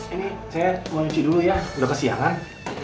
ini saya mau nyuci dulu ya udah kesiangan